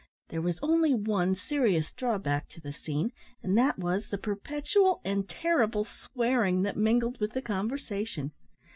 There was only one serious drawback to the scene, and that was, the perpetual and terrible swearing that mingled with the conversation.